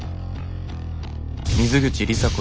「水口里紗子